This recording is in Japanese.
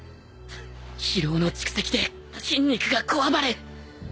疲労の蓄積で筋肉がこわばる